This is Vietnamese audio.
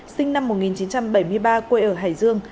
sinh năm một nghìn chín trăm bảy mươi ba quê ở hải dương